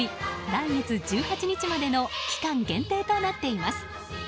来月１８日までの期間限定となっています。